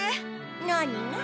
何が？